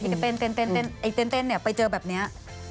พี่เต้นเนี่ยไปเจอแบบเนี้ย